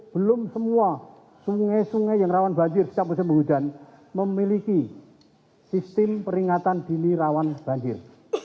belum semua sungai sungai yang rawan banjir setiap musim penghujan memiliki sistem peringatan dini rawan banjir